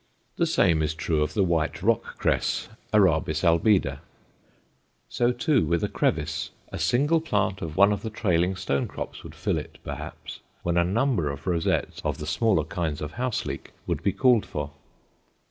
The same is true of the white rock cress (Arabis albida). So, too, with a crevice. A single plant of one of the trailing stonecrops would fill it, perhaps, when a number of rosettes of the smaller kinds of house leek would be called for.